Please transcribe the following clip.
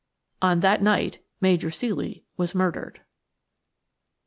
On that night Major Ceely was murdered.